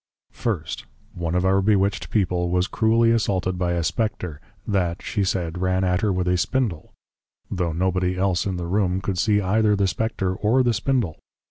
First, One of our bewitched people, was cruelly assaulted by a Spectre, that, she said, ran at her with a spindle: tho' no body else in the Room, could see either the Spectre or the spindle.